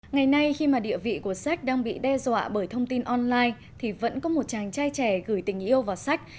ngày nay khi mà địa vị của sách đang bị đe dọa bởi thông tin online thì vẫn có một chàng trai trẻ gửi tình yêu vào sách